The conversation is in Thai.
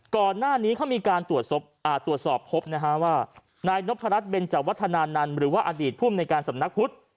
ก่อนหน้านี้เขามีการตรวจสอบพบนะฮะว่านายนพรัชเบนจวัฒนานันต์หรือว่าอดีตภูมิในการสำนักพุทธ